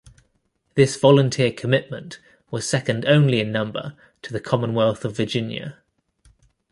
This volunteer commitment was second only in number to the Commonwealth of Virginia.